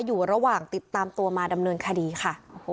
อยู่ระหว่างติดตามตัวมาดำเนินคดีค่ะ